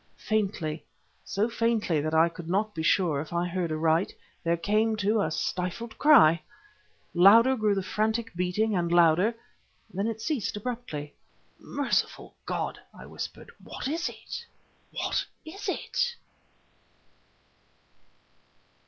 Faintly, so faintly, that I could not be sure if I heard aright, there came, too, a stifled cry. Louder grew the the frantic beating and louder ... then it ceased abruptly. "Merciful God!" I whispered "what was it? What was it?"